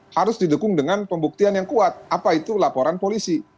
harus didukung dengan pembuktian yang kuat apa itu laporan polisi